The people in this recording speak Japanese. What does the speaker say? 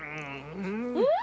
うん！